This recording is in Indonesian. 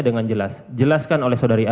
dengan jelas jelaskan oleh saudari